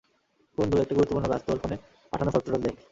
বন্ধু, একটা গুরুত্বপূর্ণ কাজ, তোর ফোনে পাঠানো ফটোটা দেখ।